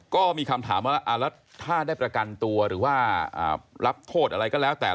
ก็มีคำถามว่าแล้วถ้าได้ประกันตัวหรือว่ารับโทษอะไรก็แล้วแต่